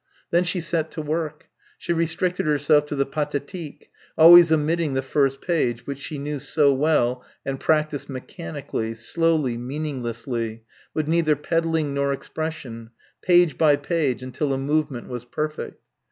Then she set to work. She restricted herself to the Pathétique, always omitting the first page, which she knew so well and practised mechanically, slowly, meaninglessly, with neither pedalling nor expression, page by page until a movement was perfect.